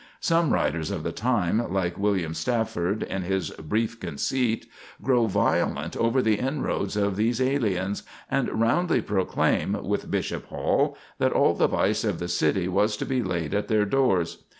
Some writers of the time, like William Stafford, in his "Brief Conceit," grow violent over the inroads of these aliens, and roundly proclaim, with Bishop Hall, that all the vice of the city was to be laid at their doors.